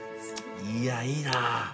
いやいいな。